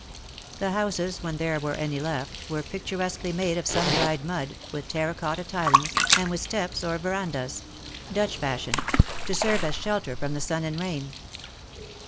The houses, when there were any left, were picturesquely made of sun dried mud, with terra cotta tilings, and with stoeps or verandahs — Dutch fashion — to serve as shelter from the sun and rain.